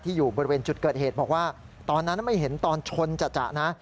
อยู่บริเวณจุดเกิดเหตุบอกว่าตอนนั้นไม่เห็นตอนชนจะนะ